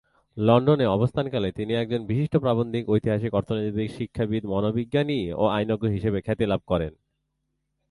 লন্ডনে অবস্থানকালে তিনি একজন বিশিষ্ট প্রাবন্ধিক, ঐতিহাসিক, অর্থনীতিবিদ, শিক্ষাবিদ, মনোবিজ্ঞানী ও আইনজ্ঞ হিসেবে খ্যাতি লাভ করেন।